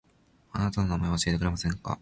あなたの名前を教えてくれませんか